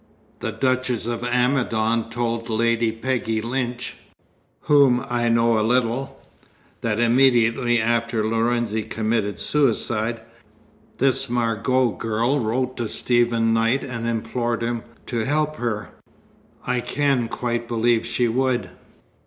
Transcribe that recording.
The Duchess of Amidon told Lady Peggy Lynch whom I know a little that immediately after Lorenzi committed suicide, this Margot girl wrote to Stephen Knight and implored him to help her. I can quite believe she would.